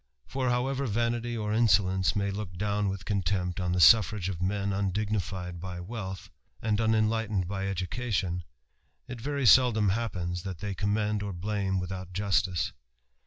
For, however vanity or insolence may look down with contempt on the suffrage of men imdignified by wealth, and unenlightened by education, it very seldom happens that they commend or blame without justice.